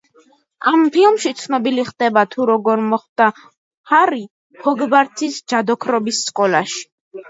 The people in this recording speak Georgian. ამ ფილმში ცნობილი ხდება, თუ როგორ მოხვდა ჰარი ჰოგვორტსის ჯადოქრობის სკოლაში.